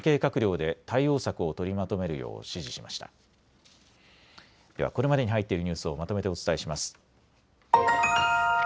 ではこれまでに入っているニュースをまとめてお伝えします。